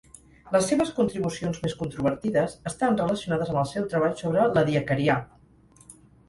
Les seves contribucions més controvertides estan relacionades amb el seu treball sobre l'Ediacarià.